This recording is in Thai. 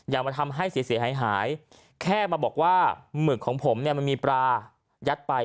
อย่ามาทำให้เสียหายแค่มาบอกว่าหมึกของผมเนี่ยมันมีปลายัดไป